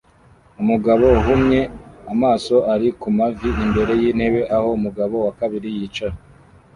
Umugabo uhumye amaso ari ku mavi imbere y'intebe aho umugabo wa kabiri yicaye